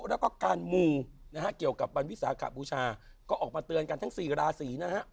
แล้วก็การมูนะฮะเกี่ยวกับวันวิสาขบูชาก็ออกมาเตือนกันทั้งสี่ราศีนะฮะ